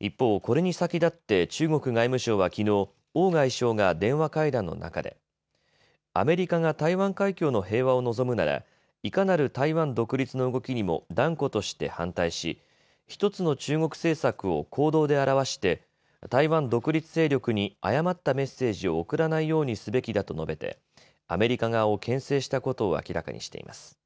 一方これに先立って中国外務省はきのう王外相が電話会談の中でアメリカが台湾海峡の平和を望むならいかなる台湾独立の動きにも断固として反対し１つの中国政策を行動で表して台湾独立勢力に誤ったメッセージを送らないようにすべきだと述べてアメリカ側をけん制したことを明らかにしています。